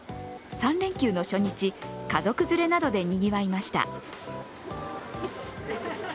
３連休の初日、家族連れなどでにぎわいました。